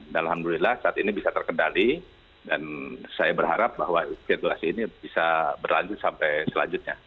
dan alhamdulillah saat ini bisa terkendali dan saya berharap bahwa sirkulasi ini bisa berlanjut sampai selanjutnya